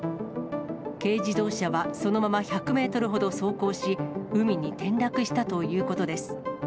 軽自動車はそのまま１００メートルほど走行し、海に転落したということです。